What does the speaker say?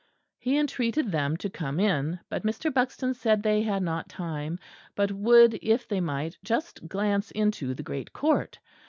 He entreated them to come in; but Mr. Buxton said they had not time; but would if they might just glance into the great court.